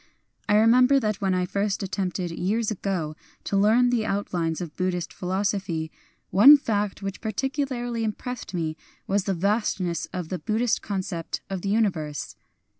I remember that when I first attempted, years ago, to learn the out lines of Buddhist philosophy, one fact which particularly impressed me was the vastness of the Buddhist concept of the universe.